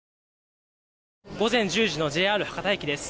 午前１０時のＪＲ博多駅です。